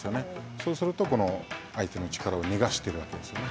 そうすると、相手の力を逃がしているわけですね。